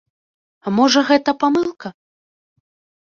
А можа, гэта памылка?